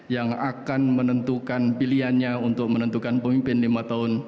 yang akan menentukan pilihannya untuk menentukan pemimpin lima tahun